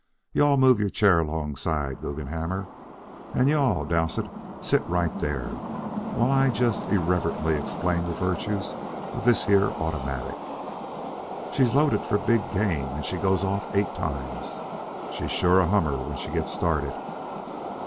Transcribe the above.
You all move your chair alongside, Guggenhammer; and you all Dowsett, sit right there, while I just irrelevantly explain the virtues of this here automatic. She's loaded for big game and she goes off eight times. She's a sure hummer when she gets started.